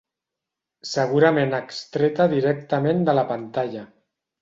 Segurament extreta directament de la pantalla.